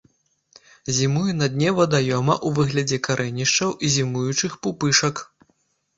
Зімуе на дне вадаёма ў выглядзе карэнішчаў і зімуючых пупышак.